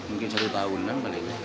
mungkin satu tahunan paling